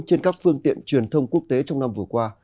trên các phương tiện truyền thông quốc tế trong năm vừa qua